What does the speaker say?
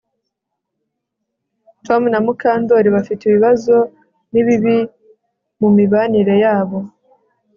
Tom na Mukandoli bafite ibibazo nibibi mumibanire yabo